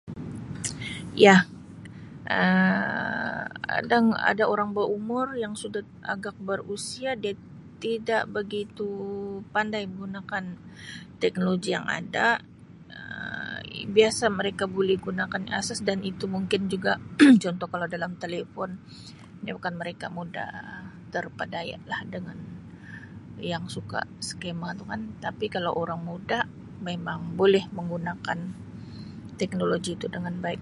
Ya, Um kadang ada orang bawah umur yang sudah agak berusia dia tidak begitu pandai menggunakan teknologi yang ada Um biasa mereka boleh gunakan asas dan itu mungkin juga contoh kalau dalam talifon menyebabkan mereka mudah terpedayalah dengan yang suka scammer tu kan tapi kalau orang muda memang boleh menggunakan teknologi itu dengan baik.